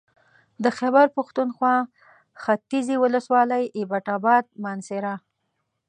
د خېبر پښتونخوا ختيځې ولسوالۍ اېبټ اباد مانسهره